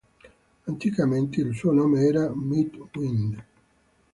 Anticamente il suo nome era "Mid-wynd".